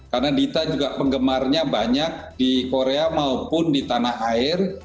karena dita juga penggemarnya banyak di korea maupun di tanah air